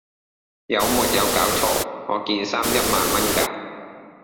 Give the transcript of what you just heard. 有沒有搞錯!我件衫一萬蚊架